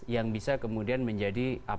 yang bisa kemudian menjadi